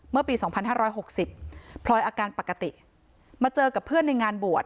เมื่อปี๒๕๖๐พลอยอาการปกติมาเจอกับเพื่อนในงานบวช